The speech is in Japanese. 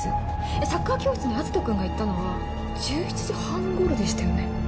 サッカー教室に篤斗君が行ったのは１７時半頃でしたよね？